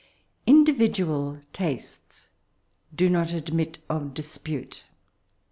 Individual tastes do not admit of dispute.